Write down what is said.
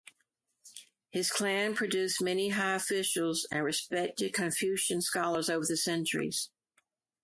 His clan produced many high officials and respected Confucian scholars over the centuries.